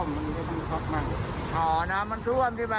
เป็นรถบุรีต่อเนื่องที่เรื่องของไฟไหม้เลยนะคะเดี๋ยวพาไปที่รถบุรี